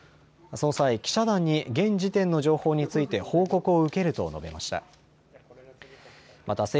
その際、記者団に現時点の情報について報告を受けると述べました。